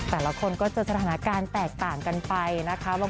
แต่ละคนก็เจอสถานการณ์แตกต่างกันไปนะคะ